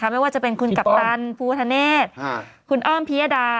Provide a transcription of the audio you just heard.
ไม่ว่าจะเป็นคุณกัปตันภูทะเนธคุณอ้อมพิยดา